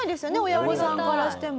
親御さんからしても。